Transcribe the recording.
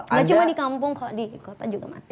gak cuma di kampung kalo di kota juga mas